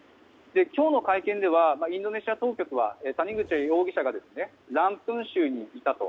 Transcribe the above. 今日の会見ではインドネシア当局は谷口容疑者がランプン州にいたと。